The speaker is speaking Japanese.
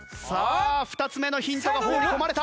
２つ目のヒントが放り込まれた！